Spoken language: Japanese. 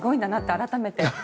改めて。